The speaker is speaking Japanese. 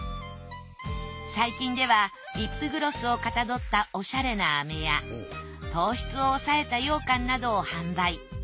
最近ではリップグロスをかたどったおしゃれな飴や糖質をおさえたようかんなどを販売。